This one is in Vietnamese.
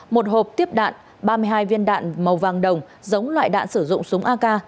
một hộp tiếp đạn ba mươi hai viên đạn màu vàng đồng giống loại đạn sử dụng súng ak